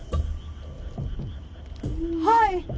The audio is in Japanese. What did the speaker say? はい。